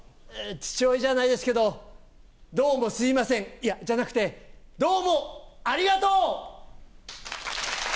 父親じゃないですけど、どうもすいません、じゃなくて、どうもありがとう！